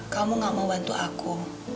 kamu gak mau bantu aku